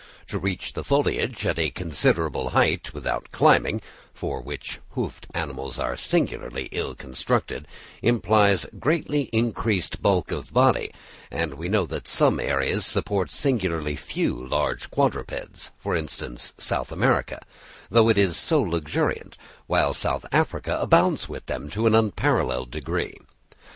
To reach the foliage at a considerable height (without climbing, for which hoofed animals are singularly ill constructed) implies greatly increased bulk of body; and we know that some areas support singularly few large quadrupeds, for instance South America, though it is so luxuriant, while South Africa abounds with them to an unparalleled degree.